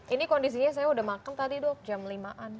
ini kondisinya saya udah makan tadi dok jam lima an